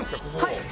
はい。